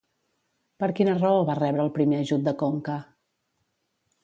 Per quina raó va rebre el primer ajut de Conca?